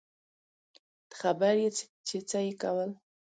ته خبر يې چې څه يې کول.